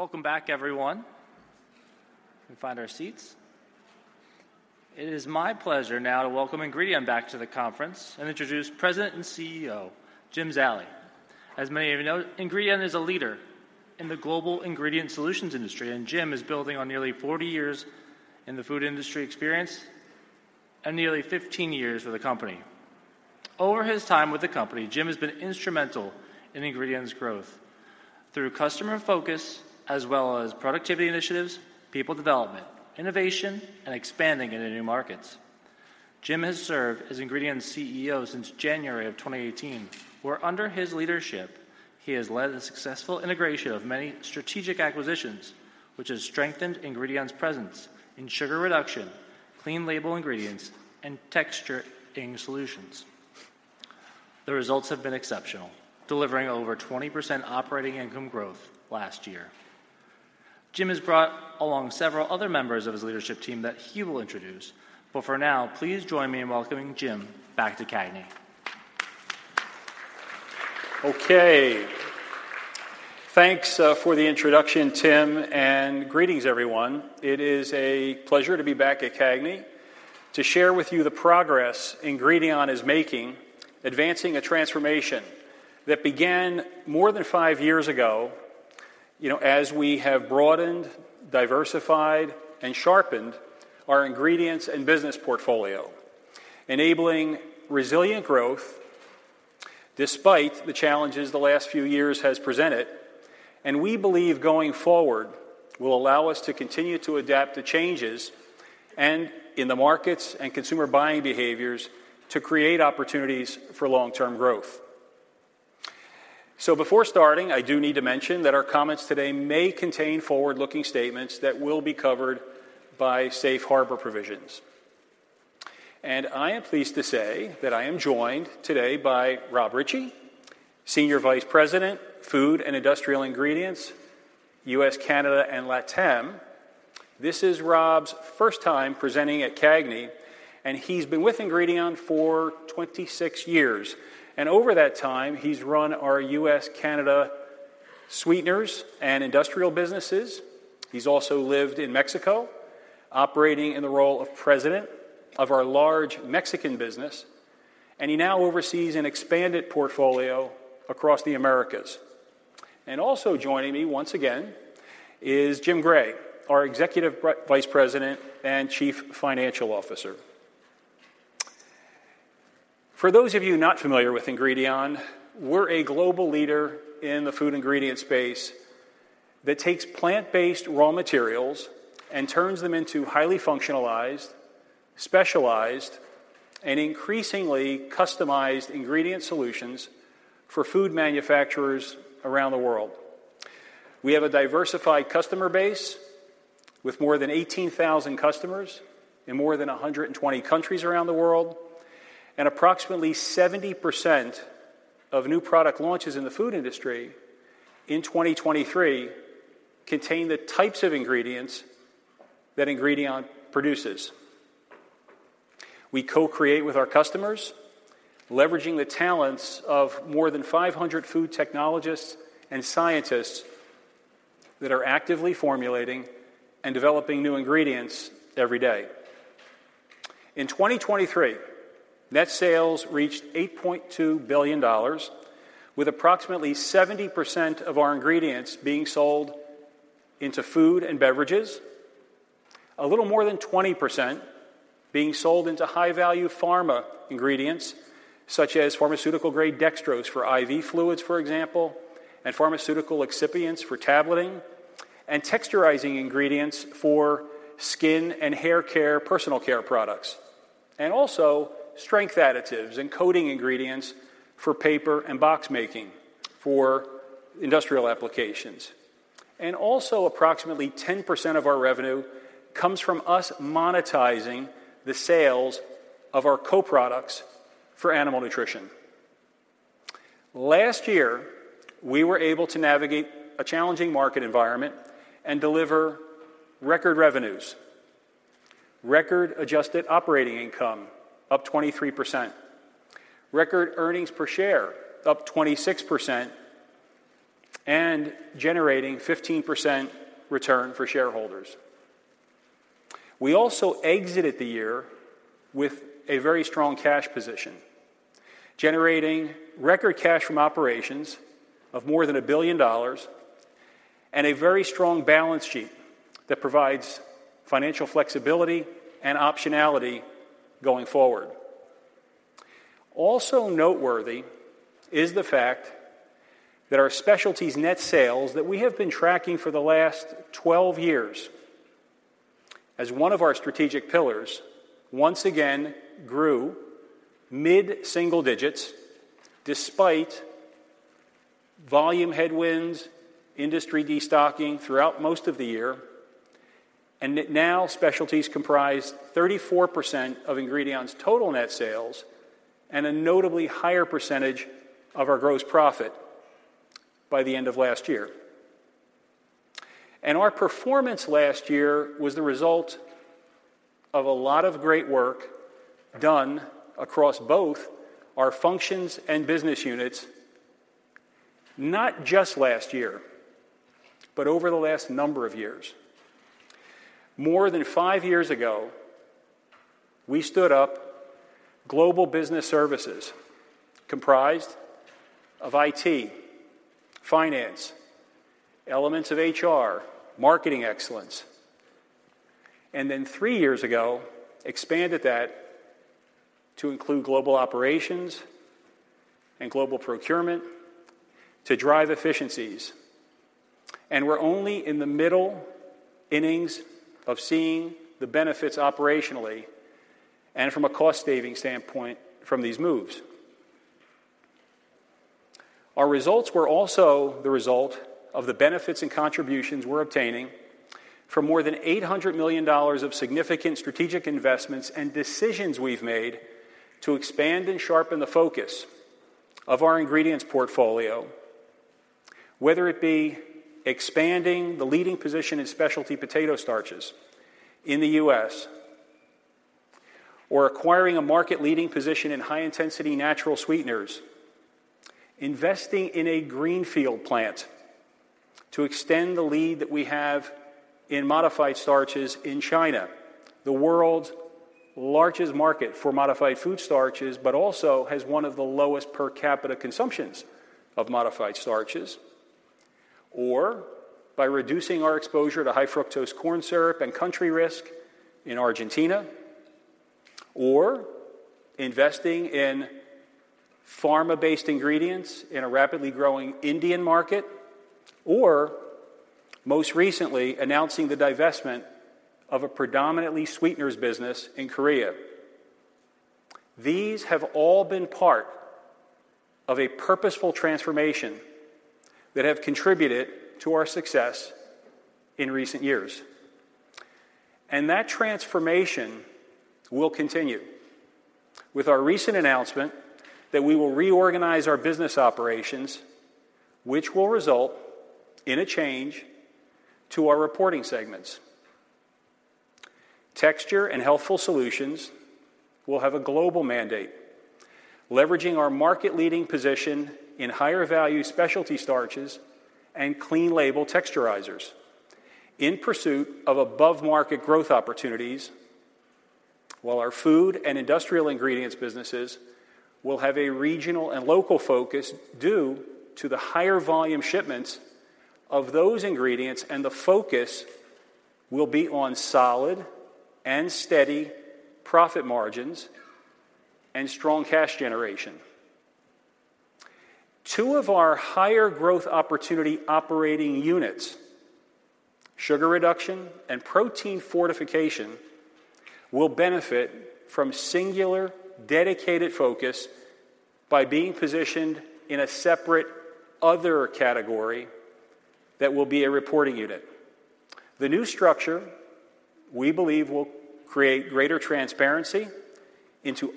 Welcome back, everyone. We can find our seats. It is my pleasure now to welcome Ingredion back to the conference and introduce President and CEO, Jim Zallie. As many of you know, Ingredion is a leader in the global ingredient solutions industry, and Jim is building on nearly 40 years in the food industry experience and nearly 15 years with the company. Over his time with the company, Jim has been instrumental in Ingredion's growth through customer focus, as well as productivity initiatives, people development, innovation, and expanding into new markets. Jim has served as Ingredion's CEO since January 2018, where under his leadership, he has led the successful integration of many strategic acquisitions, which has strengthened Ingredion's presence in sugar reduction, clean label ingredients, and texturizing solutions. The results have been exceptional, delivering over 20% operating income growth last year. Jim has brought along several other members of his leadership team that he will introduce, but for now, please join me in welcoming Jim back to CAGNY. Okay. Thanks, for the introduction, Tim, and greetings everyone. It is a pleasure to be back at CAGNY to share with you the progress Ingredion is making, advancing a transformation that began more than five years ago, you know, as we have broadened, diversified, and sharpened our ingredients and business portfolio, enabling resilient growth despite the challenges the last few years has presented. We believe going forward will allow us to continue to adapt to changes and in the markets and consumer buying behaviors to create opportunities for long-term growth. Before starting, I do need to mention that our comments today may contain forward-looking statements that will be covered by Safe Harbor provisions. I am pleased to say that I am joined today by Rob Ritchie, Senior Vice President, Food and Industrial Ingredients, U.S./Canada, and LATAM. This is Rob's first time presenting at CAGNY, and he's been with Ingredion for 26 years. Over that time, he's run our U.S./Canada, sweeteners and industrial businesses. He's also lived in Mexico, operating in the role of president of our large Mexican business, and he now oversees an expanded portfolio across the Americas. Also joining me once again is Jim Gray, our Executive Vice President and Chief Financial Officer. For those of you not familiar with Ingredion, we're a global leader in the food ingredient space that takes plant-based raw materials and turns them into highly functionalized, specialized, and increasingly customized ingredient solutions for food manufacturers around the world. We have a diversified customer base with more than 18,000 customers in more than 120 countries around the world, and approximately 70% of new product launches in the food industry in 2023 contain the types of ingredients that Ingredion produces. We co-create with our customers, leveraging the talents of more than 500 food technologists and scientists that are actively formulating and developing new ingredients every day. In 2023, net sales reached $8.2 billion, with approximately 70% of our ingredients being sold into food and beverages, a little more than 20% being sold into high-value pharma ingredients, such as pharmaceutical-grade dextrose for IV fluids, for example, and pharmaceutical excipients for tableting, and texturizing ingredients for skin and hair care, personal care products, and also strength additives and coating ingredients for paper and box making for industrial applications. And also, approximately 10% of our revenue comes from us monetizing the sales of our co-products for animal nutrition. Last year, we were able to navigate a challenging market environment and deliver record revenues, record adjusted operating income up 23%, record earnings per share up 26%, and generating 15% return for shareholders. We also exited the year with a very strong cash position, generating record cash from operations of more than $1 billion and a very strong balance sheet that provides financial flexibility and optionality going forward. Also noteworthy is the fact that our specialties net sales, that we have been tracking for the last 12 years as one of our strategic pillars, once again grew mid-single digits despite volume headwinds, industry destocking throughout most of the year, and now specialties comprise 34% of Ingredion's total net sales and a notably higher percentage of our gross profit by the end of last year. Our performance last year was the result of a lot of great work done across both our functions and business units, not just last year, but over the last number of years. More than 5 years ago, we stood up global business services, comprised of IT, finance, elements of HR, marketing excellence, and then 3 years ago, expanded that to include global operations and global procurement to drive efficiencies. We're only in the middle innings of seeing the benefits operationally and from a cost-saving standpoint from these moves. Our results were also the result of the benefits and contributions we're obtaining from more than $800 million of significant strategic investments and decisions we've made to expand and sharpen the focus of our ingredients portfolio, whether it be expanding the leading position in specialty potato starches in the U.S., or acquiring a market-leading position in high-intensity natural sweeteners, investing in a greenfield plant to extend the lead that we have in modified starches in China, the world's largest market for modified food starches, but also has one of the lowest per capita consumptions of modified starches, or by reducing our exposure to high fructose corn syrup and country risk in Argentina, or investing in pharma-based ingredients in a rapidly growing Indian market, or most recently, announcing the divestment of a predominantly sweeteners business in Korea. These have all been part of a purposeful transformation that have contributed to our success in recent years. And that transformation will continue with our recent announcement that we will reorganize our business operations, which will result in a change to our reporting segments. Texture and Healthful Solutions will have a global mandate, leveraging our market-leading position in higher-value specialty starches and clean label texturizers in pursuit of above-market growth opportunities, while our Food and Industrial Ingredients businesses will have a regional and local focus due to the higher volume shipments of those ingredients, and the focus will be on solid and steady profit margins and strong cash generation. Two of our higher growth opportunity operating units, sugar reduction and protein fortification, will benefit from singular, dedicated focus by being positioned in a separate other category that will be a reporting unit. The new structure, we believe, will create greater transparency into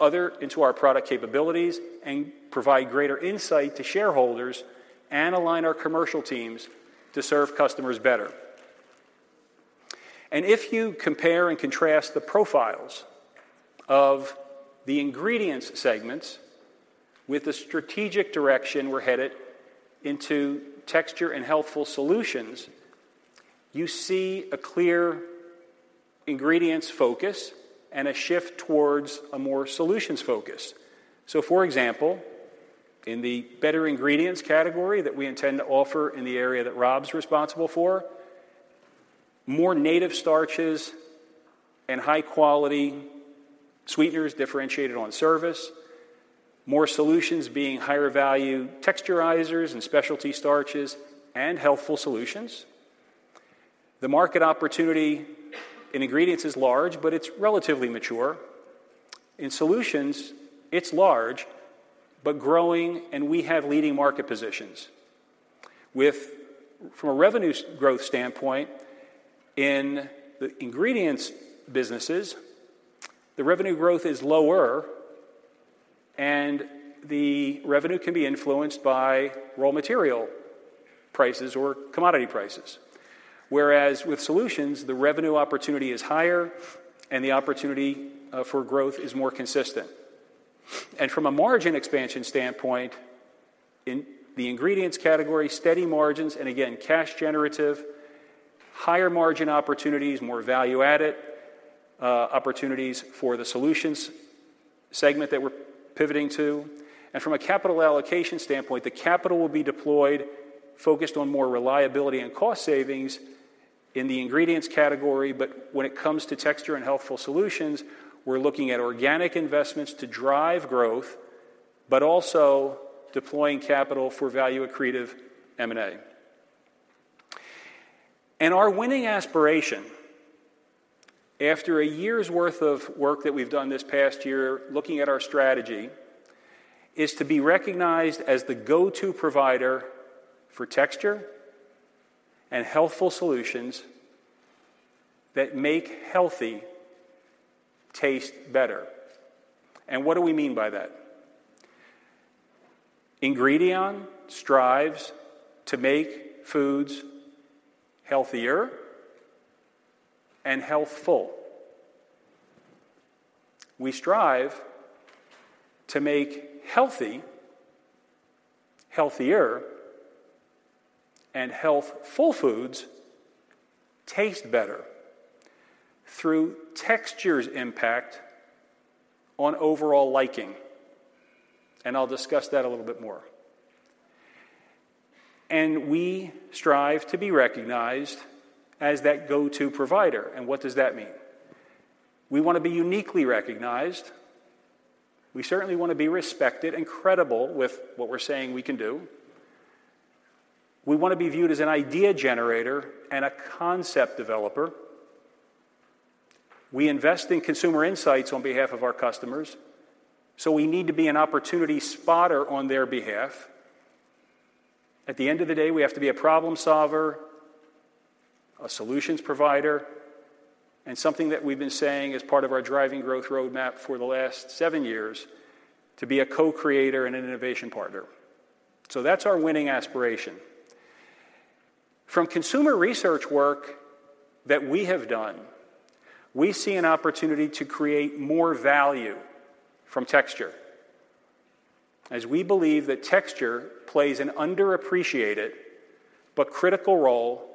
our product capabilities and provide greater insight to shareholders and align our commercial teams to serve customers better. And if you compare and contrast the profiles of the ingredients segments with the strategic direction we're headed into Texture and Healthful Solutions, you see a clear ingredients focus and a shift towards a more solutions focus. So, for example, in the better ingredients category that we intend to offer in the area that Rob's responsible for, more native starches and high-quality sweeteners differentiated on service, more solutions being higher value texturizers and specialty starches and healthful solutions. The market opportunity in ingredients is large, but it's relatively mature. In solutions, it's large, but growing, and we have leading market positions. From a revenue growth standpoint, in the ingredients businesses, the revenue growth is lower, and the revenue can be influenced by raw material prices or commodity prices. Whereas with solutions, the revenue opportunity is higher, and the opportunity for growth is more consistent. And from a margin expansion standpoint, in the ingredients category, steady margins, and again, cash generative, higher margin opportunities, more value-added opportunities for the solutions segment that we're pivoting to. And from a capital allocation standpoint, the capital will be deployed, focused on more reliability and cost savings in the ingredients category. But when it comes to Texture and Healthful Solutions, we're looking at organic investments to drive growth, but also deploying capital for value-accretive M&A. Our winning aspiration, after a year's worth of work that we've done this past year, looking at our strategy, is to be recognized as the go-to provider for Texture and Healthful Solutions that make healthy taste better. What do we mean by that?... Ingredion strives to make foods healthier and healthful. We strive to make healthy, healthier, and healthful foods taste better through texture's impact on overall liking, and I'll discuss that a little bit more. We strive to be recognized as that go-to provider. What does that mean? We want to be uniquely recognized. We certainly want to be respected and credible with what we're saying we can do. We want to be viewed as an idea generator and a concept developer. We invest in consumer insights on behalf of our customers, so we need to be an opportunity spotter on their behalf. At the end of the day, we have to be a problem solver, a solutions provider, and something that we've been saying as part of our driving growth roadmap for the last seven years, to be a co-creator and an innovation partner. So that's our winning aspiration. From consumer research work that we have done, we see an opportunity to create more value from texture, as we believe that texture plays an underappreciated but critical role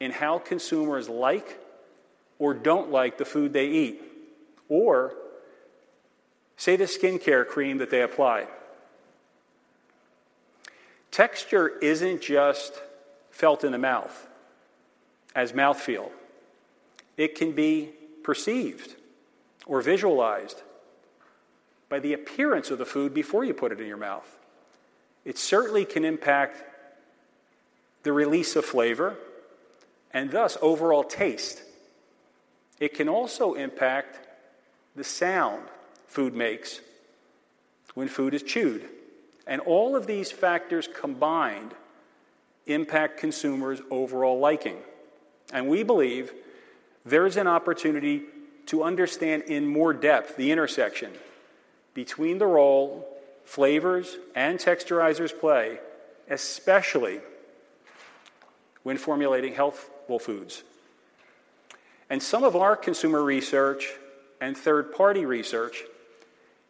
in how consumers like or don't like the food they eat, or, say, the skincare cream that they apply. Texture isn't just felt in the mouth as mouthfeel. It can be perceived or visualized by the appearance of the food before you put it in your mouth. It certainly can impact the release of flavor and thus overall taste. It can also impact the sound food makes when food is chewed. All of these factors combined impact consumers' overall liking. We believe there is an opportunity to understand in more depth the intersection between the role flavors and texturizers play, especially when formulating healthful foods. Some of our consumer research and third-party research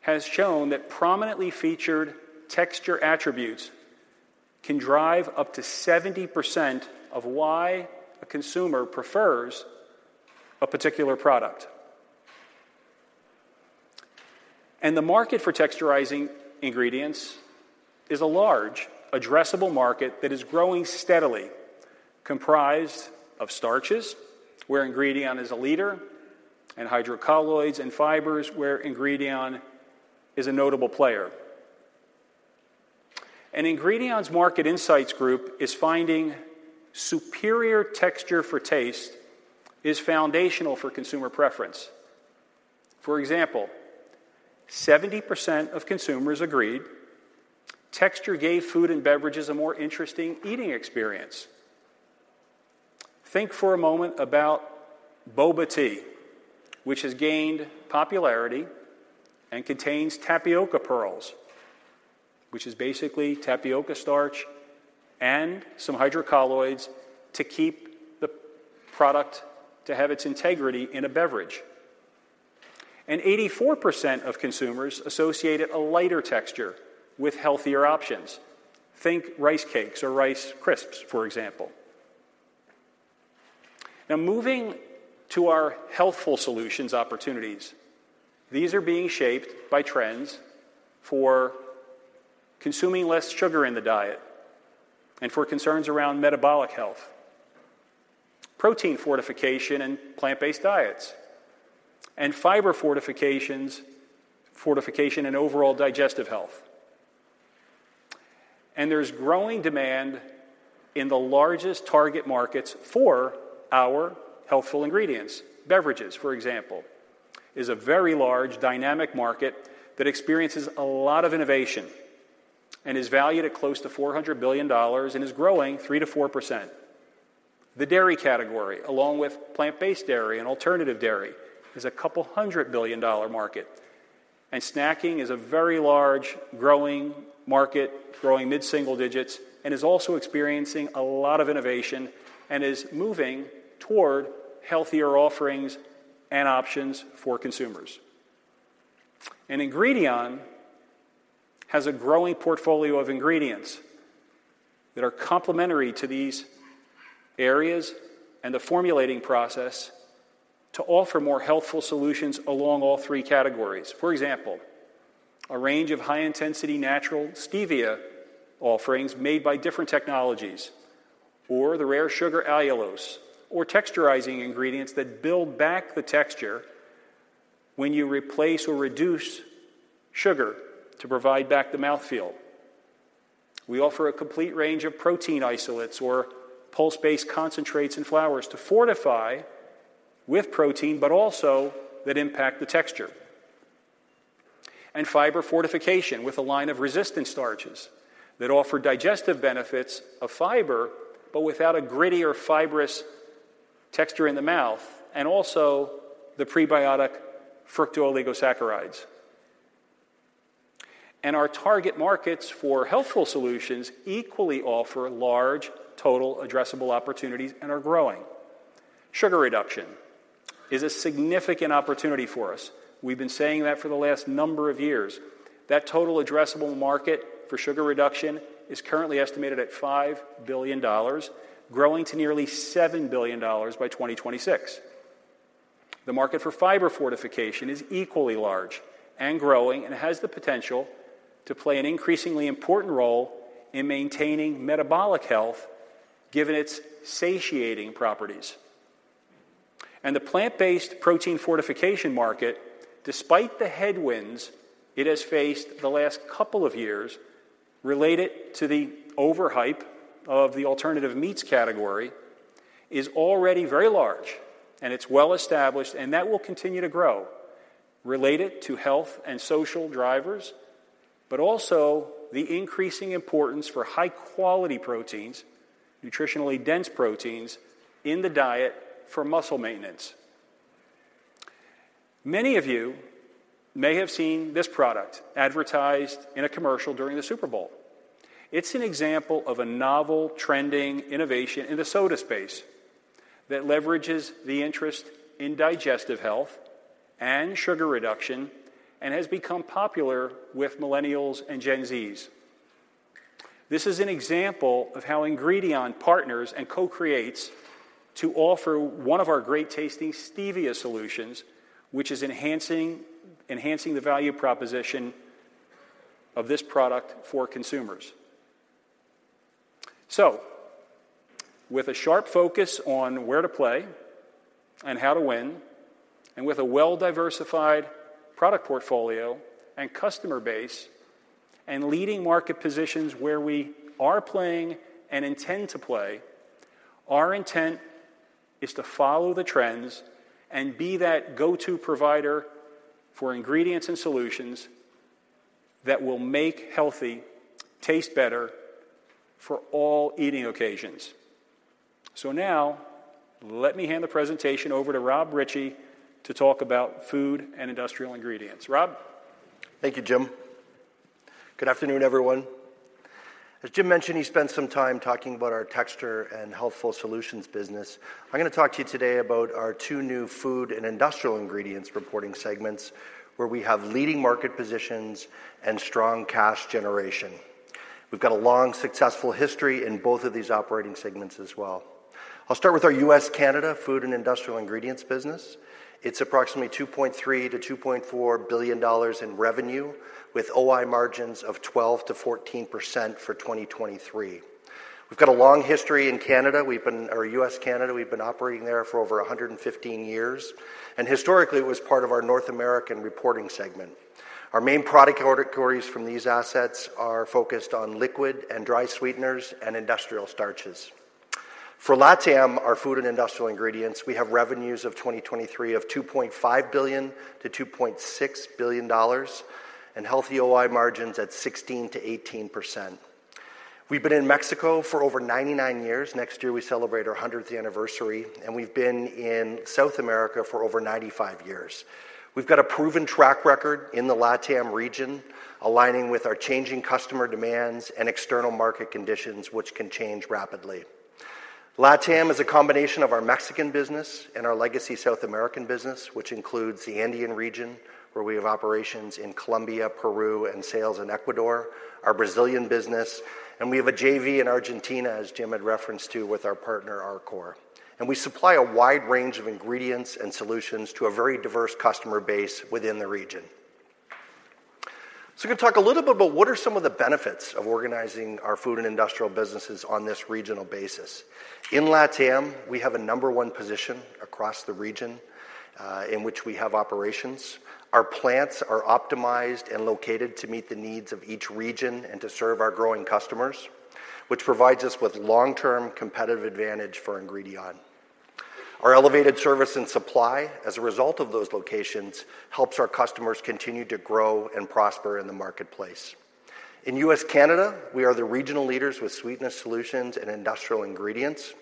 has shown that prominently featured texture attributes can drive up to 70% of why a consumer prefers a particular product. The market for texturizing ingredients is a large, addressable market that is growing steadily, comprised of starches, where Ingredion is a leader, and hydrocolloids and fibers, where Ingredion is a notable player. Ingredion's Market Insights group is finding superior texture for taste is foundational for consumer preference. For example, 70% of consumers agreed texture gave food and beverages a more interesting eating experience. Think for a moment about boba tea, which has gained popularity and contains tapioca pearls, which is basically tapioca starch and some hydrocolloids to keep the product to have its integrity in a beverage. Eighty-four percent of consumers associated a lighter texture with healthier options. Think rice cakes or rice crisps, for example. Now, moving to our healthful solutions opportunities, these are being shaped by trends for consuming less sugar in the diet and for concerns around metabolic health, protein fortification and plant-based diets, and fiber fortifications, fortification and overall digestive health. There's growing demand in the largest target markets for our healthful ingredients. Beverages, for example, is a very large, dynamic market that experiences a lot of innovation and is valued at close to $400 billion and is growing 3%-4%. The dairy category, along with plant-based dairy and alternative dairy, is a $200 billion market. Snacking is a very large, growing market, growing mid-single digits, and is also experiencing a lot of innovation and is moving toward healthier offerings and options for consumers. Ingredion has a growing portfolio of ingredients that are complementary to these areas and the formulating process to offer more healthful solutions along all three categories. For example, a range of high-intensity natural stevia offerings made by different technologies, or the rare sugar allulose, or texturizing ingredients that build back the texture when you replace or reduce sugar to provide back the mouthfeel. We offer a complete range of protein isolates or pulse-based concentrates and flours to fortify with protein, but also that impact the texture. Fiber fortification with a line of resistant starches that offer digestive benefits of fiber, but without a gritty or fibrous texture in the mouth, and also the prebiotic fructooligosaccharides. Our target markets for healthful solutions equally offer large total addressable opportunities and are growing. Sugar reduction is a significant opportunity for us. We've been saying that for the last number of years. That total addressable market for sugar reduction is currently estimated at $5 billion, growing to nearly $7 billion by 2026. The market for fiber fortification is equally large and growing, and has the potential to play an increasingly important role in maintaining metabolic health, given its satiating properties. The plant-based protein fortification market, despite the headwinds it has faced the last couple of years related to the overhype of the alternative meats category, is already very large, and it's well established, and that will continue to grow, related to health and social drivers, but also the increasing importance for high-quality proteins, nutritionally dense proteins, in the diet for muscle maintenance. Many of you may have seen this product advertised in a commercial during the Super Bowl. It's an example of a novel, trending innovation in the soda space that leverages the interest in digestive health and sugar reduction, and has become popular with Millennials and Gen Zs. This is an example of how Ingredion partners and co-creates to offer one of our great-tasting stevia solutions, which is enhancing, enhancing the value proposition of this product for consumers. So with a sharp focus on where to play and how to win, and with a well-diversified product portfolio and customer base, and leading market positions where we are playing and intend to play, our intent is to follow the trends and be that go-to provider for ingredients and solutions that will make healthy taste better for all eating occasions. So now, let me hand the presentation over to Rob Ritchie to talk about Food and Industrial Ingredients. Rob? Thank you, Jim. Good afternoon, everyone. As Jim mentioned, he spent some time talking about our Texture and Healthful Solutions business. I'm going to talk to you today about our two new Food and Industrial Ingredients reporting segments, where we have leading market positions and strong cash generation. We've got a long, successful history in both of these operating segments as well. I'll start with our U.S./Canada Food and Industrial Ingredients business. It's approximately $2.3 billion-$2.4 billion in revenue, with OI margins of 12%-14% for 2023. We've got a long history in Canada. We've been or U.S./Canada, we've been operating there for over 115 years, and historically, it was part of our North American reporting segment. Our main product categories from these assets are focused on liquid and dry sweeteners and industrial starches. For LATAM, our Food and Industrial Ingredients, we have revenues of 2023 of $2.5 billion-$2.6 billion and healthy OI margins at 16%-18%. We've been in Mexico for over 99 years. Next year, we celebrate our 100th anniversary, and we've been in South America for over 95 years. We've got a proven track record in the LATAM region, aligning with our changing customer demands and external market conditions, which can change rapidly. LATAM is a combination of our Mexican business and our legacy South American business, which includes the Andean region, where we have operations in Colombia, Peru, and sales in Ecuador, our Brazilian business, and we have a JV in Argentina, as Jim had referenced to, with our partner, Arcor. And we supply a wide range of ingredients and solutions to a very diverse customer base within the region. So I'm going to talk a little bit about what are some of the benefits of organizing our food and industrial businesses on this regional basis. In LATAM, we have a number one position across the region, in which we have operations. Our plants are optimized and located to meet the needs of each region and to serve our growing customers, which provides us with long-term competitive advantage for Ingredion. Our elevated service and supply, as a result of those locations, helps our customers continue to grow and prosper in the marketplace. In U.S./Canada, we are the regional leaders with sweetness solutions and industrial ingredients.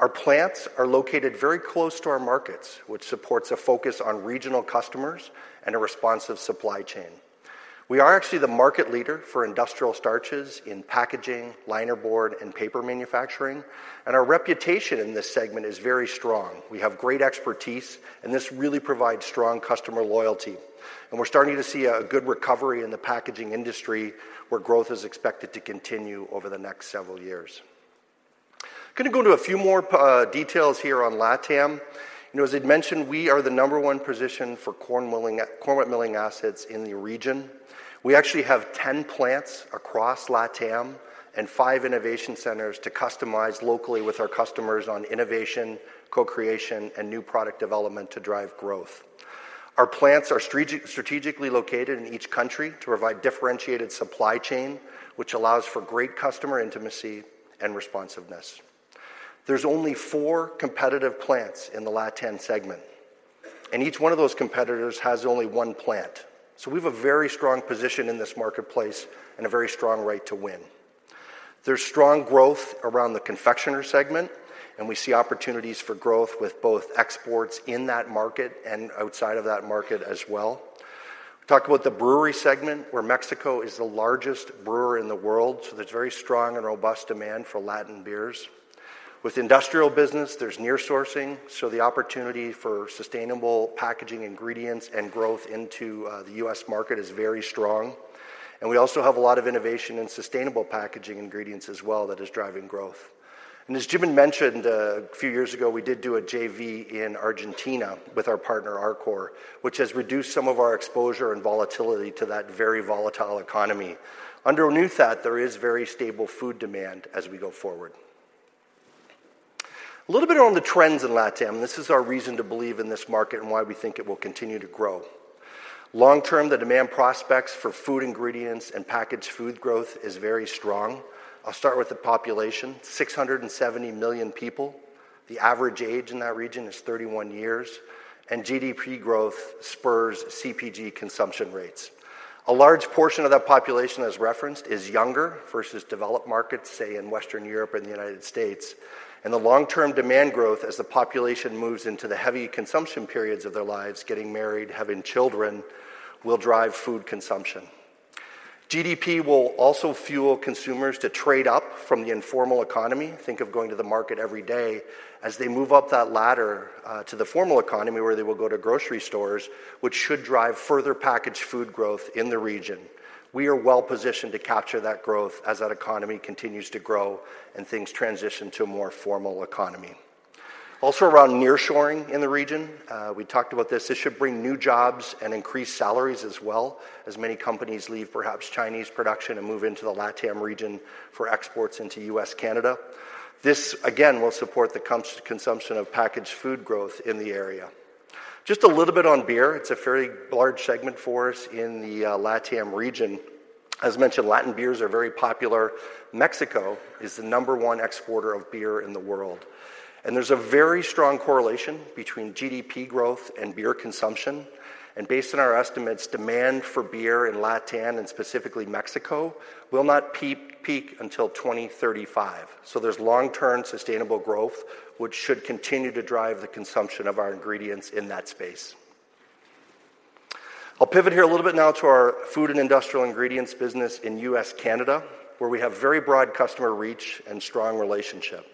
Our plants are located very close to our markets, which supports a focus on regional customers and a responsive supply chain. We are actually the market leader for industrial starches in packaging, liner board, and paper manufacturing, and our reputation in this segment is very strong. We have great expertise, and this really provides strong customer loyalty. We're starting to see a good recovery in the packaging industry, where growth is expected to continue over the next several years. Gonna go into a few more details here on LATAM. You know, as I'd mentioned, we are the number one position for corn milling, corn wet milling assets in the region. We actually have 10 plants across LATAM and 5 innovation centers to customize locally with our customers on innovation, co-creation, and new product development to drive growth. Our plants are strategically located in each country to provide differentiated supply chain, which allows for great customer intimacy and responsiveness. There's only four competitive plants in the LATAM segment, and each one of those competitors has only one plant. So we have a very strong position in this marketplace and a very strong right to win. There's strong growth around the confectioner segment, and we see opportunities for growth with both exports in that market and outside of that market as well. We talked about the brewery segment, where Mexico is the largest brewer in the world, so there's very strong and robust demand for Latin beers. With industrial business, there's near sourcing, so the opportunity for sustainable packaging ingredients and growth into the U.S. market is very strong. And we also have a lot of innovation in sustainable packaging ingredients as well that is driving growth. As Jim had mentioned, a few years ago, we did do a JV in Argentina with our partner Arcor, which has reduced some of our exposure and volatility to that very volatile economy. Under UNCTAD, there is very stable food demand as we go forward. A little bit on the trends in LATAM. This is our reason to believe in this market and why we think it will continue to grow. Long-term, the demand prospects for food ingredients and packaged food growth is very strong. I'll start with the population, 670 million people. The average age in that region is 31 years, and GDP growth spurs CPG consumption rates. A large portion of that population, as referenced, is younger versus developed markets, say, in Western Europe and the United States. And the long-term demand growth as the population moves into the heavy consumption periods of their lives, getting married, having children, will drive food consumption. GDP will also fuel consumers to trade up from the informal economy, think of going to the market every day, as they move up that ladder, to the formal economy, where they will go to grocery stores, which should drive further packaged food growth in the region. We are well-positioned to capture that growth as that economy continues to grow and things transition to a more formal economy. Also, around nearshoring in the region, we talked about this. This should bring new jobs and increase salaries as well, as many companies leave perhaps Chinese production and move into the LATAM region for exports into U.S./Canada. This, again, will support the consumption of packaged food growth in the area. Just a little bit on beer. It's a very large segment for us in the LATAM region. As mentioned, Latin beers are very popular. Mexico is the number one exporter of beer in the world, and there's a very strong correlation between GDP growth and beer consumption. Based on our estimates, demand for beer in LATAM, and specifically Mexico, will not peak until 2035. So there's long-term sustainable growth, which should continue to drive the consumption of our ingredients in that space. I'll pivot here a little bit now to our Food and Industrial Ingredients business in U.S./Canada, where we have very broad customer reach and strong relationship.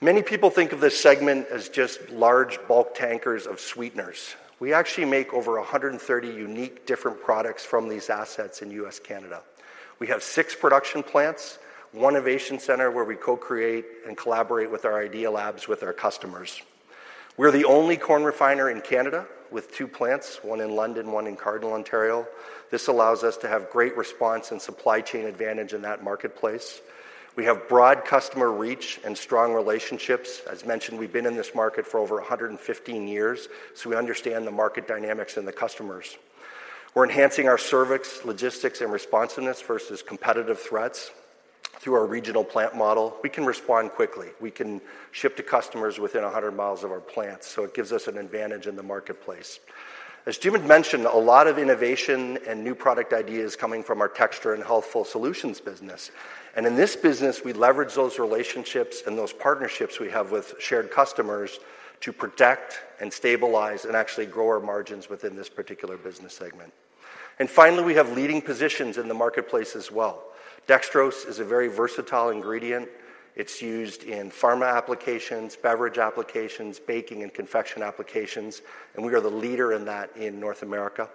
Many people think of this segment as just large bulk tankers of sweeteners. We actually make over 130 unique different products from these assets in U.S./Canada. We have 6 production plants, 1 innovation center where we co-create and collaborate with our Idea Labs with our customers. We're the only corn refiner in Canada with 2 plants, 1 in London, 1 in Cardinal, Ontario. This allows us to have great response and supply chain advantage in that marketplace. We have broad customer reach and strong relationships. As mentioned, we've been in this market for over 115 years, so we understand the market dynamics and the customers. We're enhancing our service, logistics, and responsiveness versus competitive threats through our regional plant model. We can respond quickly. We can ship to customers within 100 miles of our plants, so it gives us an advantage in the marketplace. As Jim had mentioned, a lot of innovation and new product ideas coming from our Texture and Healthful Solutions business. And in this business, we leverage those relationships and those partnerships we have with shared customers to protect and stabilize and actually grow our margins within this particular business segment. And finally, we have leading positions in the marketplace as well. Dextrose is a very versatile ingredient. It's used in pharma applications, beverage applications, baking and confection applications, and we are the leader in that in North America.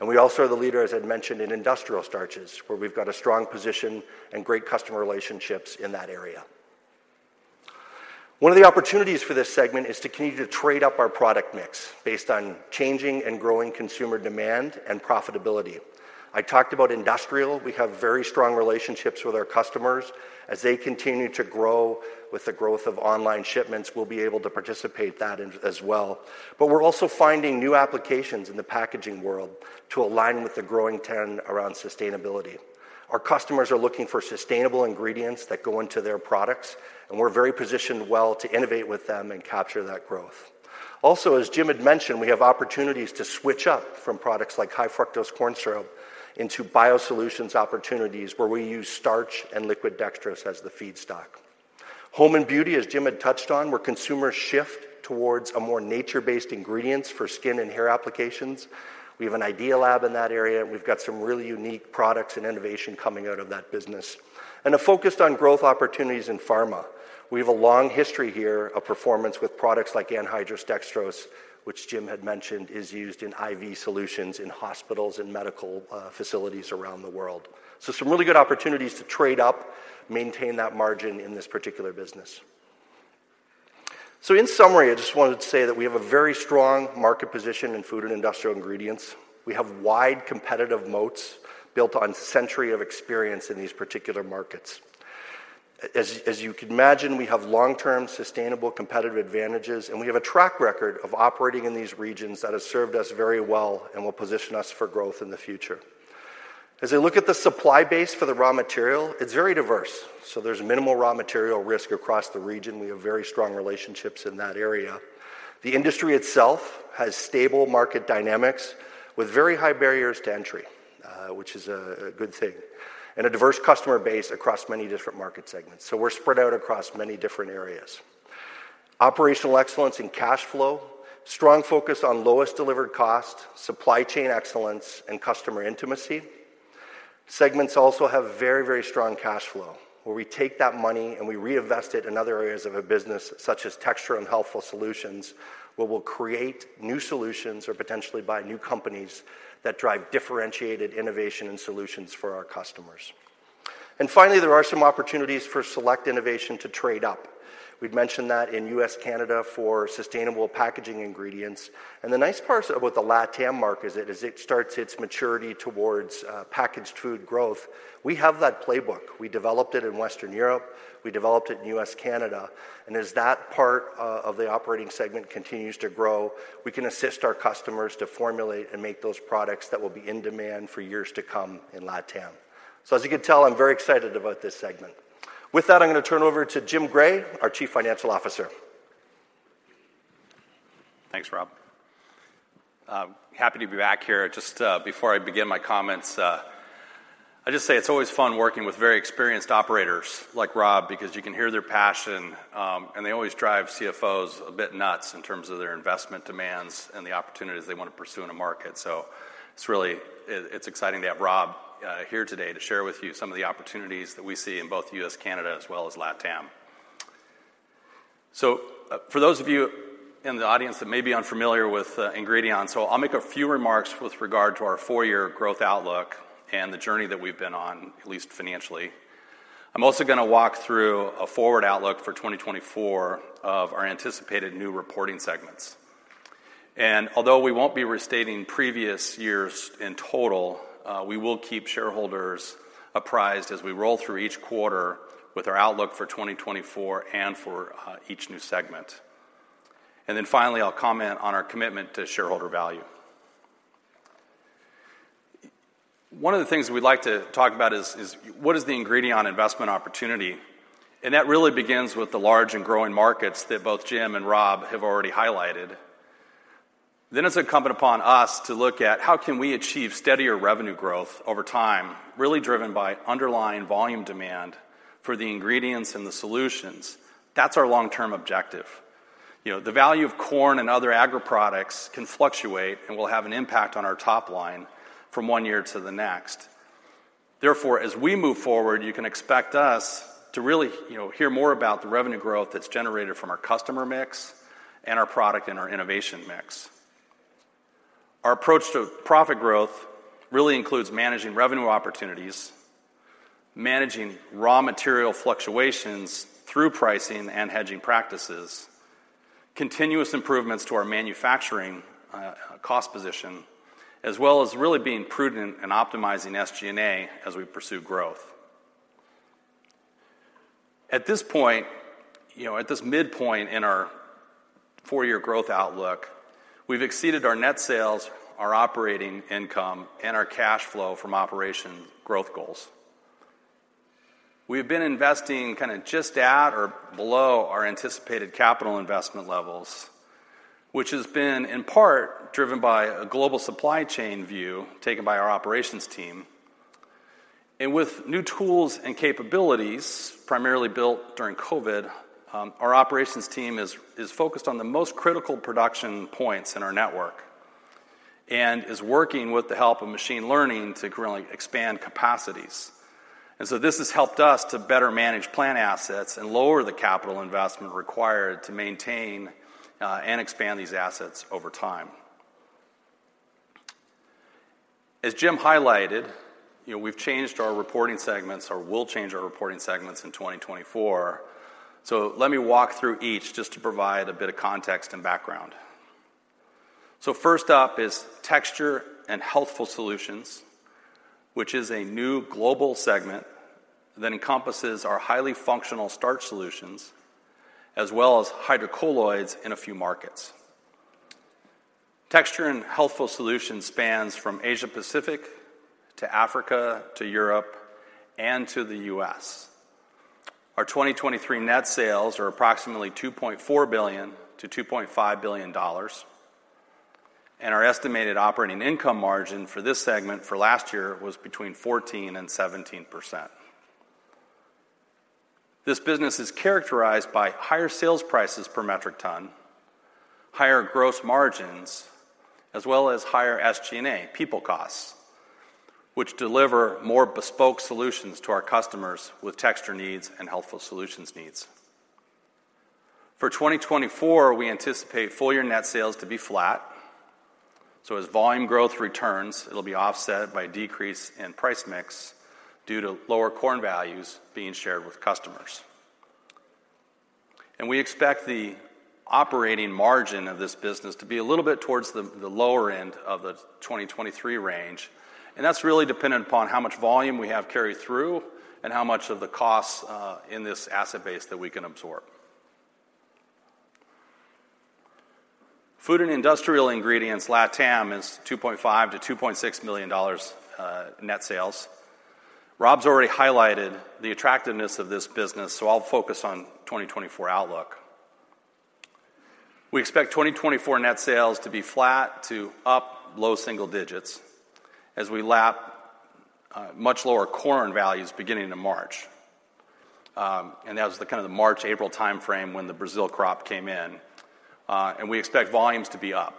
And we also are the leader, as I mentioned, in industrial starches, where we've got a strong position and great customer relationships in that area. One of the opportunities for this segment is to continue to trade up our product mix based on changing and growing consumer demand and profitability. I talked about industrial. We have very strong relationships with our customers. As they continue to grow with the growth of online shipments, we'll be able to participate in that as well. We're also finding new applications in the packaging world to align with the growing trend around sustainability. Our customers are looking for sustainable ingredients that go into their products, and we're very positioned well to innovate with them and capture that growth. Also, as Jim had mentioned, we have opportunities to switch up from products like high fructose corn syrup into biosolutions opportunities, where we use starch and liquid dextrose as the feedstock. Home and beauty, as Jim had touched on, where consumers shift towards a more nature-based ingredients for skin and hair applications. We have an Idea Lab in that area. We've got some really unique products and innovation coming out of that business. A focus on growth opportunities in pharma. We have a long history here of performance with products like anhydrous dextrose, which Jim had mentioned, is used in IV solutions in hospitals and medical facilities around the world. So some really good opportunities to trade up, maintain that margin in this particular business. So in summary, I just wanted to say that we have a very strong market position in Food and Industrial Ingredients. We have wide competitive moats built on century of experience in these particular markets. As you can imagine, we have long-term, sustainable competitive advantages, and we have a track record of operating in these regions that has served us very well and will position us for growth in the future. As I look at the supply base for the raw material, it's very diverse, so there's minimal raw material risk across the region. We have very strong relationships in that area. The industry itself has stable market dynamics with very high barriers to entry, which is a good thing, and a diverse customer base across many different market segments. So we're spread out across many different areas. Operational excellence and cash flow, strong focus on lowest delivered cost, supply chain excellence, and customer intimacy. Segments also have very, very strong cash flow, where we take that money and we reinvest it in other areas of a business such as Texture and Healthful Solutions, where we'll create new solutions or potentially buy new companies that drive differentiated innovation and solutions for our customers. And finally, there are some opportunities for select innovation to trade up. We've mentioned that in U.S./Canada for sustainable packaging ingredients. And the nice part about the LATAM market is it starts its maturity towards packaged food growth. We have that playbook. We developed it in Western Europe, we developed it in U.S./Canada, and as that part of the operating segment continues to grow, we can assist our customers to formulate and make those products that will be in demand for years to come in LATAM. So as you can tell, I'm very excited about this segment. With that, I'm gonna turn over to Jim Gray, our Chief Financial Officer. Thanks, Rob. I'm happy to be back here. Just before I begin my comments, I'll just say it's always fun working with very experienced operators like Rob, because you can hear their passion, and they always drive CFOs a bit nuts in terms of their investment demands and the opportunities they want to pursue in a market. So it's really exciting to have Rob here today to share with you some of the opportunities that we see in both U.S./Canada, as well as LATAM. So for those of you in the audience that may be unfamiliar with Ingredion, I'll make a few remarks with regard to our four-year growth outlook and the journey that we've been on, at least financially. I'm also gonna walk through a forward outlook for 2024 of our anticipated new reporting segments. Although we won't be restating previous years in total, we will keep shareholders apprised as we roll through each quarter with our outlook for 2024 and for each new segment. Then finally, I'll comment on our commitment to shareholder value. One of the things we'd like to talk about is what is the Ingredion investment opportunity? And that really begins with the large and growing markets that both Jim and Rob have already highlighted. Then it's incumbent upon us to look at how can we achieve steadier revenue growth over time, really driven by underlying volume demand for the ingredients and the solutions. That's our long-term objective. You know, the value of corn and other agri products can fluctuate and will have an impact on our top line from one year to the next. Therefore, as we move forward, you can expect us to really, you know, hear more about the revenue growth that's generated from our customer mix and our product and our innovation mix. Our approach to profit growth really includes managing revenue opportunities, managing raw material fluctuations through pricing and hedging practices, continuous improvements to our manufacturing, cost position, as well as really being prudent in optimizing SG&A as we pursue growth. At this point, you know, at this midpoint in our four-year growth outlook, we've exceeded our net sales, our operating income, and our cash flow from operation growth goals. We've been investing kind of just at or below our anticipated capital investment levels, which has been in part driven by a global supply chain view taken by our operations team. With new tools and capabilities, primarily built during COVID, our operations team is, is focused on the most critical production points in our network, and is working with the help of machine learning to currently expand capacities. So this has helped us to better manage plant assets and lower the capital investment required to maintain and expand these assets over time. As Jim highlighted, you know, we've changed our reporting segments, or will change our reporting segments in 2024. So let me walk through each just to provide a bit of context and background. So first up is Texture and Healthful Solutions, which is a new global segment that encompasses our highly functional starch solutions, as well as hydrocolloids in a few markets. Texture and Healthful Solutions spans from Asia Pacific to Africa to Europe and to the U.S. Our 2023 net sales are approximately $2.4 billion-$2.5 billion, and our estimated operating income margin for this segment for last year was between 14%-17%. This business is characterized by higher sales prices per metric ton, higher gross margins, as well as higher SG&A, people costs, which deliver more bespoke solutions to our customers with Texture needs and Healthful Solutions needs. For 2024, we anticipate full-year net sales to be flat, so as volume growth returns, it'll be offset by a decrease in price mix due to lower corn values being shared with customers. And we expect the operating margin of this business to be a little bit towards the lower end of the 2023 range, and that's really dependent upon how much volume we have carried through and how much of the costs in this asset base that we can absorb. Food and industrial ingredients, LATAM, is $2.5 million-$2.6 million net sales. Rob's already highlighted the attractiveness of this business, so I'll focus on 2024 outlook. We expect 2024 net sales to be flat to up low single digits as we lap much lower corn values beginning in March. And that was the kind of the March, April timeframe when the Brazil crop came in, and we expect volumes to be up.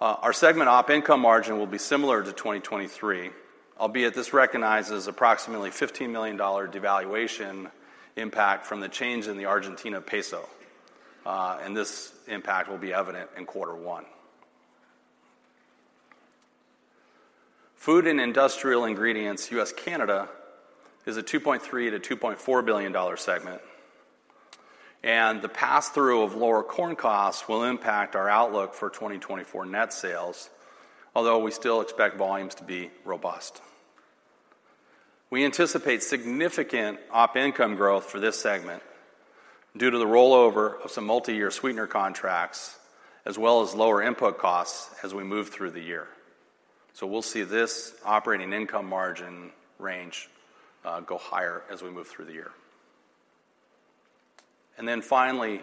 Our segment op income margin will be similar to 2023, albeit this recognizes approximately $15 million devaluation impact from the change in the Argentine peso, and this impact will be evident in quarter one. Food and industrial ingredients, U.S./Canada, is a $2.3 billion-$2.4 billion segment, and the pass-through of lower corn costs will impact our outlook for 2024 net sales, although we still expect volumes to be robust. We anticipate significant op income growth for this segment due to the rollover of some multi-year sweetener contracts as well as lower input costs as we move through the year. So we'll see this operating income margin range go higher as we move through the year. And then finally,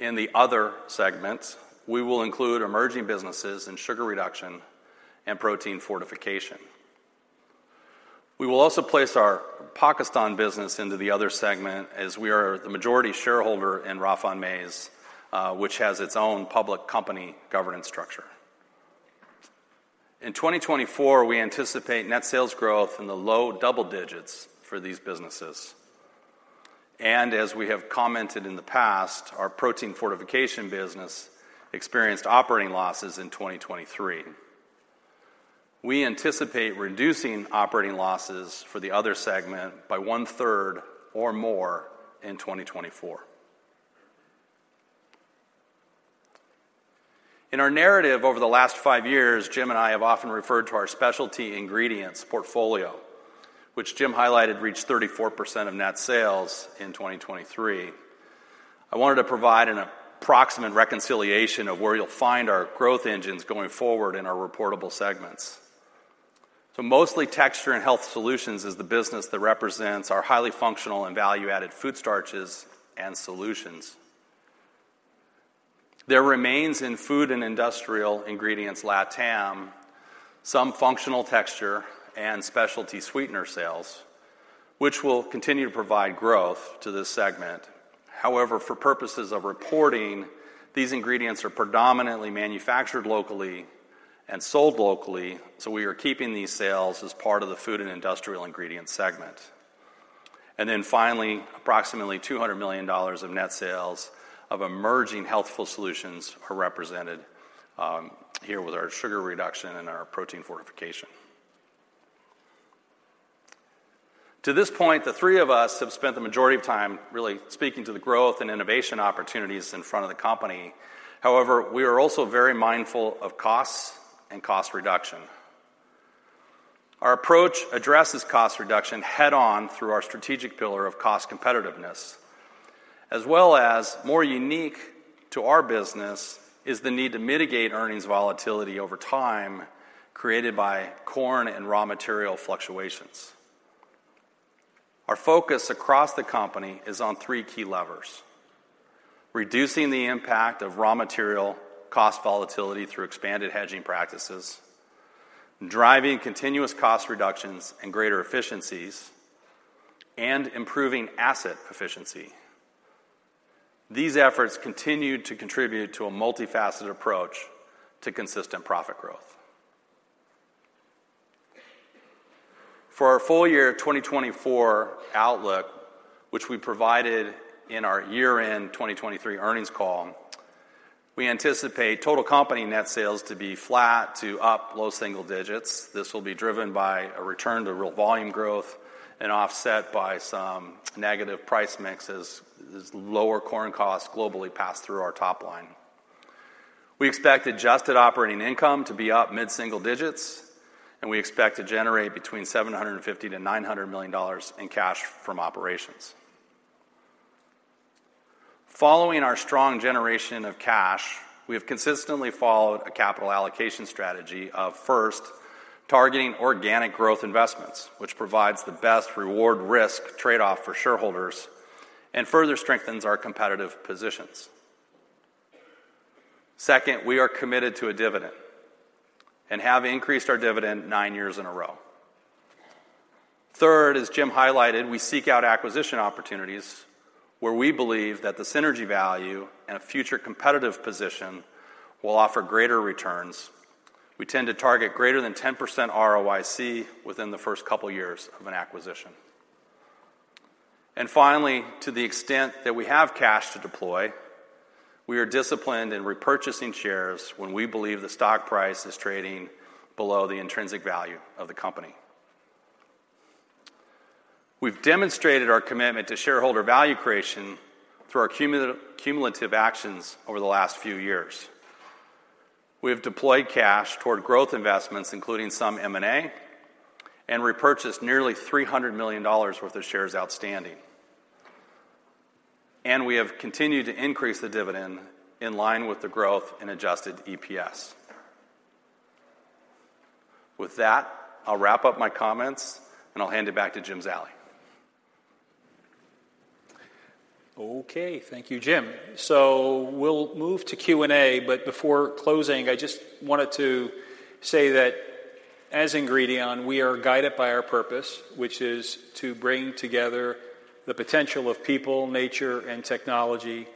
in the other segments, we will include emerging businesses in sugar reduction and protein fortification. We will also place our Pakistan business into the other segment, as we are the majority shareholder in Rafhan Maize, which has its own public company governance structure. In 2024, we anticipate net sales growth in the low double digits for these businesses, and as we have commented in the past, our protein fortification business experienced operating losses in 2023. We anticipate reducing operating losses for the other segment by one third or more in 2024. In our narrative over the last five years, Jim and I have often referred to our specialty ingredients portfolio, which Jim highlighted reached 34% of net sales in 2023. I wanted to provide an approximate reconciliation of where you'll find our growth engines going forward in our reportable segments. So mostly Texture and Health Solutions is the business that represents our highly functional and value-added food starches and solutions. There remains in Food and Industrial Ingredients, LATAM, some functional texture and specialty sweetener sales, which will continue to provide growth to this segment. However, for purposes of reporting, these ingredients are predominantly manufactured locally and sold locally, so we are keeping these sales as part of the Food and Industrial Ingredients segment. And then finally, approximately $200 million of net sales of emerging healthful solutions are represented here with our sugar reduction and our protein fortification. To this point, the three of us have spent the majority of time really speaking to the growth and innovation opportunities in front of the company. However, we are also very mindful of costs and cost reduction. Our approach addresses cost reduction head-on through our strategic pillar of cost competitiveness, as well as more unique to our business is the need to mitigate earnings volatility over time created by corn and raw material fluctuations. Our focus across the company is on three key levers: reducing the impact of raw material cost volatility through expanded hedging practices, driving continuous cost reductions and greater efficiencies, and improving asset efficiency. These efforts continue to contribute to a multifaceted approach to consistent profit growth. For our full year 2024 outlook, which we provided in our year-end 2023 earnings call, we anticipate total company net sales to be flat to up low single digits. This will be driven by a return to real volume growth and offset by some negative price mixes as lower corn costs globally pass through our top line. We expect adjusted operating income to be up mid-single digits, and we expect to generate between $750 million-$900 million in cash from operations. Following our strong generation of cash, we have consistently followed a capital allocation strategy of first, targeting organic growth investments, which provides the best reward risk trade-off for shareholders and further strengthens our competitive positions. Second, we are committed to a dividend and have increased our dividend 9 years in a row. Third, as Jim highlighted, we seek out acquisition opportunities where we believe that the synergy value and a future competitive position will offer greater returns. We tend to target greater than 10% ROIC within the first couple of years of an acquisition. And finally, to the extent that we have cash to deploy, we are disciplined in repurchasing shares when we believe the stock price is trading below the intrinsic value of the company. We've demonstrated our commitment to shareholder value creation through our cumulative, cumulative actions over the last few years. We have deployed cash toward growth investments, including some M&A, and repurchased nearly $300 million worth of shares outstanding. And we have continued to increase the dividend in line with the growth in adjusted EPS. With that, I'll wrap up my comments, and I'll hand it back to Jim Zallie. Okay, thank you, Jim. So we'll move to Q&A, but before closing, I just wanted to say that as Ingredion, we are guided by our purpose, which is to bring together the potential of people, nature, and technology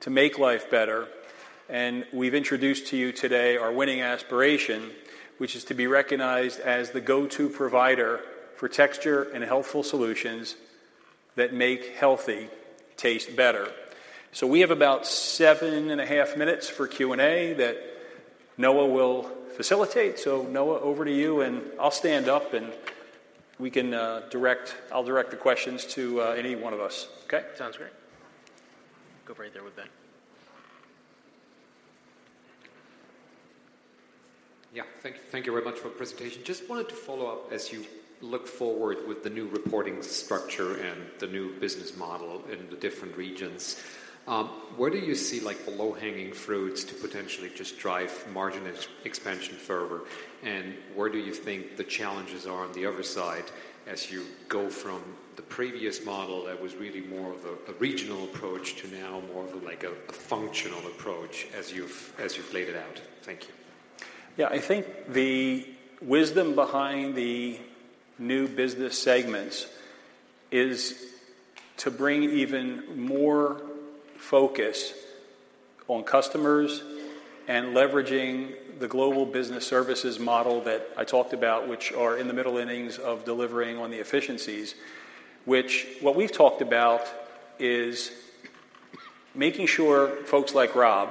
to make life better. And we've introduced to you today our winning aspiration, which is to be recognized as the go-to provider for Texture and Healthful Solutions that make healthy taste better. So we have about 7.5 minutes for Q&A that Noah will facilitate. So Noah, over to you, and I'll stand up, and we can, I'll direct the questions to any one of us. Okay? Sounds great. Go right there with Ben. Yeah. Thank, thank you very much for the presentation. Just wanted to follow up, as you look forward with the new reporting structure and the new business model in the different regions, where do you see, like, the low-hanging fruits to potentially just drive margin expansion further? And where do you think the challenges are on the other side as you go from the previous model that was really more of a regional approach to now more of like a functional approach as you've laid it out? Thank you. Yeah, I think the wisdom behind the new business segments is to bring even more focus on customers and leveraging the global business services model that I talked about, which are in the middle innings of delivering on the efficiencies. What we've talked about is making sure folks like Rob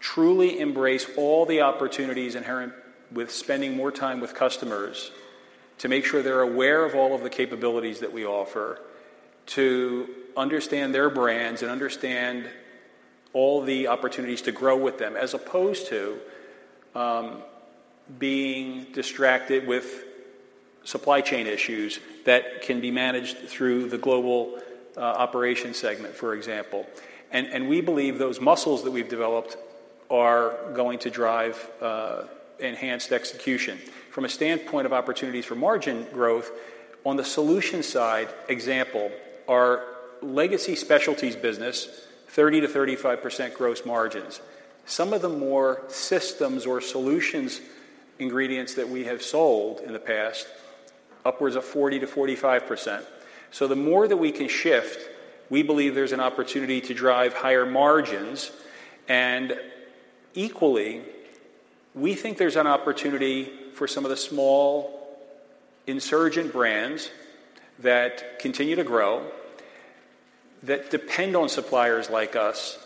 truly embrace all the opportunities inherent with spending more time with customers, to make sure they're aware of all of the capabilities that we offer, to understand their brands and understand all the opportunities to grow with them, as opposed to being distracted with supply chain issues that can be managed through the global operation segment, for example. And we believe those muscles that we've developed are going to drive enhanced execution. From a standpoint of opportunities for margin growth, on the solutions side, example, our legacy specialties business, 30%-35% gross margins. Some of the more systems or solutions ingredients that we have sold in the past, upwards of 40%-45%. So the more that we can shift, we believe there's an opportunity to drive higher margins, and equally, we think there's an opportunity for some of the small insurgent brands that continue to grow, that depend on suppliers like us,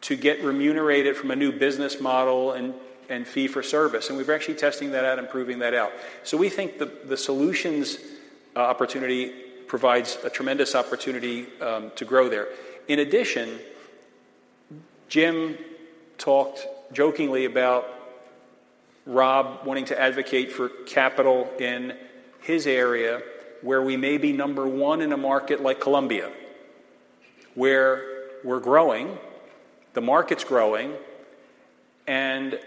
to get remunerated from a new business model and, and fee for service, and we're actually testing that out and proving that out. So we think the, the solutions, opportunity provides a tremendous opportunity, to grow there. In addition, Jim talked jokingly about Rob wanting to advocate for capital in his area, where we may be number one in a market like Colombia, where we're growing, the market's growing, and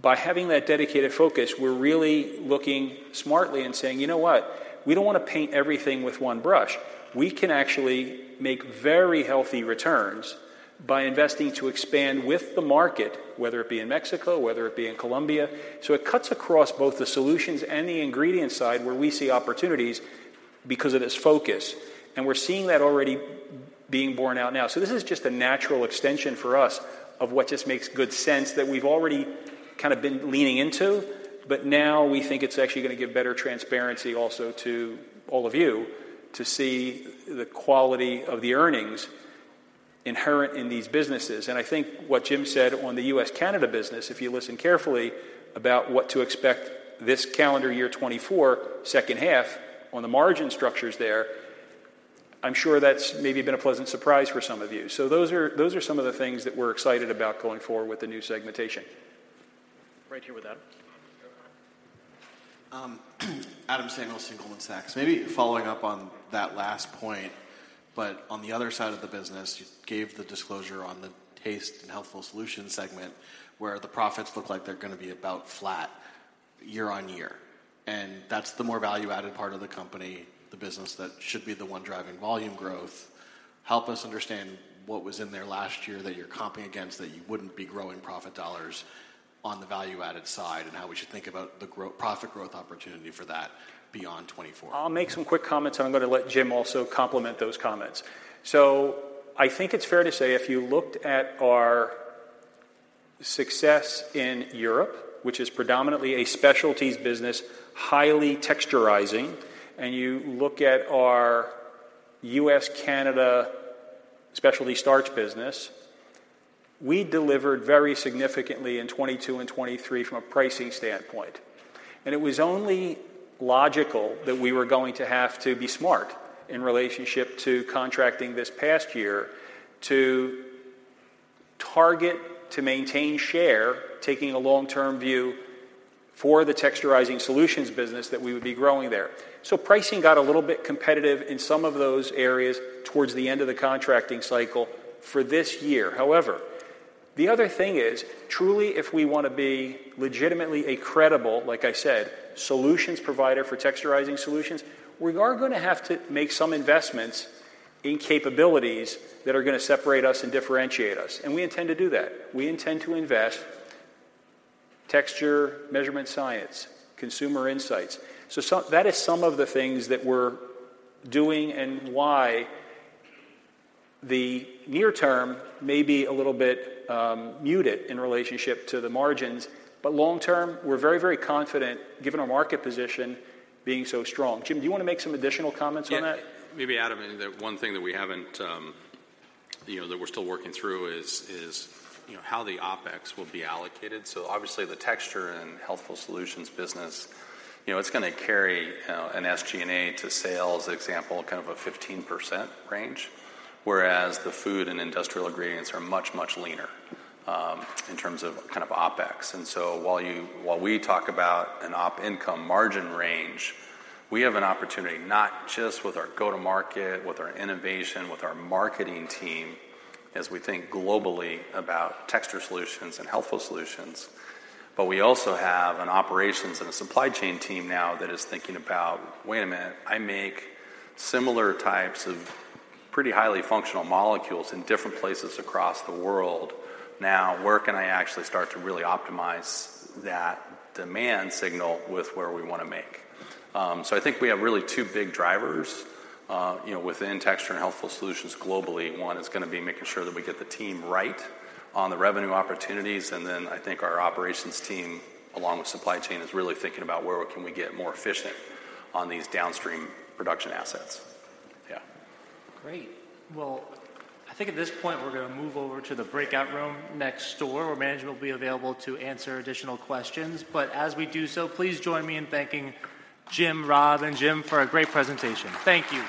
by having that dedicated focus, we're really looking smartly and saying: "You know what? We don't want to paint everything with one brush. We can actually make very healthy returns by investing to expand with the market, whether it be in Mexico, whether it be in Colombia. So it cuts across both the solutions and the ingredient side, where we see opportunities because of this focus, and we're seeing that already being borne out now. So this is just a natural extension for us of what just makes good sense, that we've already kind of been leaning into, but now we think it's actually gonna give better transparency also to all of you to see the quality of the earnings inherent in these businesses. I think what Jim said on the U.S./Canada business, if you listen carefully, about what to expect this calendar year 2024, second half, on the margin structures there, I'm sure that's maybe been a pleasant surprise for some of you. Those are, those are some of the things that we're excited about going forward with the new segmentation. Right here with Adam. Go for it. Adam Samuelson from Goldman Sachs. Maybe following up on that last point, but on the other side of the business, you gave the disclosure on the taste and healthful solution segment, where the profits look like they're gonna be about flat year on year, and that's the more value-added part of the company, the business that should be the one driving volume growth. Help us understand what was in there last year that you're comping against, that you wouldn't be growing profit dollars on the value-added side, and how we should think about the profit growth opportunity for that beyond 2024. I'll make some quick comments, and I'm gonna let Jim also complement those comments. So I think it's fair to say, if you looked at our success in Europe, which is predominantly a specialties business, highly texturizing, and you look at our U.S./Canada specialty starch business, we delivered very significantly in 2022 and 2023 from a pricing standpoint. It was only logical that we were going to have to be smart in relationship to contracting this past year to target to maintain share, taking a long-term view for the texturizing solutions business that we would be growing there. Pricing got a little bit competitive in some of those areas towards the end of the contracting cycle for this year. However, the other thing is, truly, if we want to be legitimately a credible, like I said, solutions provider for texturizing solutions, we are going to have to make some investments in capabilities that are going to separate us and differentiate us, and we intend to do that. We intend to invest texturizing measurement science, consumer insights. That is some of the things that we're doing and why the near term may be a little bit muted in relationship to the margins, but long term, we're very, very confident, given our market position being so strong. Jim, do you want to make some additional comments on that? Yeah, maybe, Adam, and the one thing that we haven't, you know, that we're still working through is, you know, how the OpEx will be allocated. So obviously, the Texture and Healthful Solutions business, you know, it's gonna carry an SG&A to sales example, kind of a 15% range, whereas the Food and Industrial Ingredients are much, much leaner in terms of kind of OpEx. And so while you, while we talk about an op income margin range, we have an opportunity not just with our go-to-market, with our innovation, with our marketing team, as we think globally about Texture Solutions and Healthful Solutions, but we also have an operations and a supply chain team now that is thinking about, "Wait a minute, I make similar types of pretty highly functional molecules in different places across the world. Now, where can I actually start to really optimize that demand signal with where we want to make? So I think we have really two big drivers, you know, within Texture and Healthful Solutions globally. One is gonna be making sure that we get the team right on the revenue opportunities, and then I think our operations team, along with supply chain, is really thinking about where can we get more efficient on these downstream production assets. Yeah. Great. Well, I think at this point we're gonna move over to the breakout room next door, where management will be available to answer additional questions. As we do so, please join me in thanking Jim, Rob, and Jim for a great presentation. Thank you.